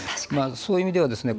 そういう意味ではですね